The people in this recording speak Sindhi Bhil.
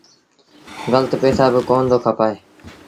گلت پئيٚسآ با ڪونا دو کپآئي